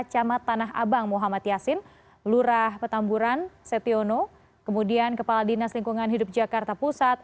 camat tanah abang muhammad yasin lurah petamburan setiono kemudian kepala dinas lingkungan hidup jakarta pusat